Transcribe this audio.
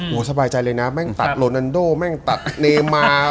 โอ้โหสบายใจเลยนะแม่งตัดโลนันโดแม่งตัดเนมา